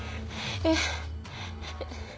えっ？